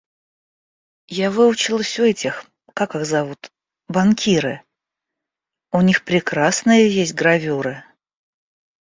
Я выучилась у этих, как их зовут... банкиры... у них прекрасные есть гравюры.